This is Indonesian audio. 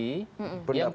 satu di antara